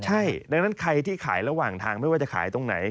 ใช่ดังนั้นใครที่ขายระหว่างทางไม่ว่าจะขายตรงไหน